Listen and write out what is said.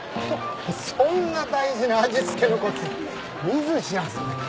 そんな大事な味付けのコツ見ず知らずの他人に？